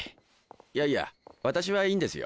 いやいや私はいいんですよ。